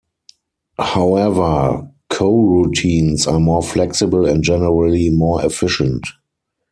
However, coroutines are more flexible and generally more efficient.